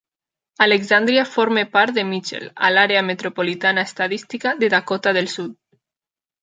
Alexandria forma part de Mitchell, a l'àrea metropolitana estadística de Dakota del Sud.